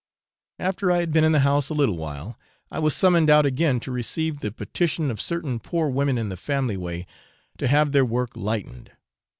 After I had been in the house a little while, I was summoned out again to receive the petition of certain poor women in the family way to have their work lightened.